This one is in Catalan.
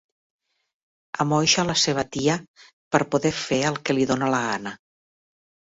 Amoixa la seva tia per poder fer el que li dona la gana.